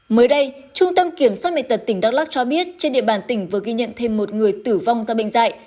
mới đây trung tâm kiểm soát bệnh tật tỉnh đắk lắc cho biết trên địa bàn tỉnh vừa ghi nhận thêm một người tử vong do bệnh dạy